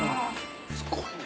すごいね。